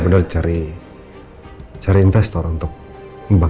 silahkan mbak mbak